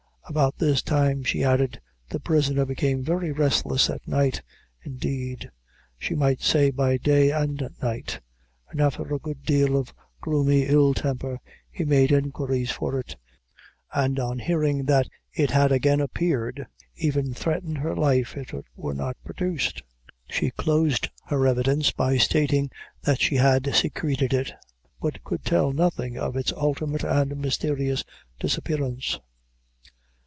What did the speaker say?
About this time," she added, "the prisoner became very restless at night, indeed, she might say by day and night, and after a good deal of gloomy ill temper, he made inquiries for it, and on hearing that it had again appeared, even threatened her life if it were not produced." She closed her evidence by stating that she had secreted it, but could tell nothing of its ultimate and mysterious disappearance.